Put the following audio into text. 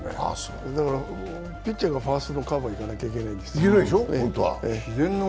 ピッチャーがファーストのカバー行かなきゃいけないんですよ。